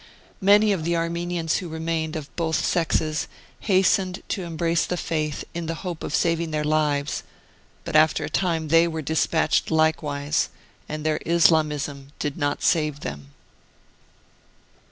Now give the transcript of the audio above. Many of the Armenians who remained, of both sexes, has Martyred Armenia 47 tened to embrace the Faith in the hope of saving their lives, but after a time they were despatched likewise and their Islamism did not save them.